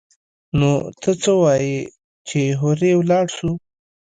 نو ته څه وايي چې هورې ولاړ سو.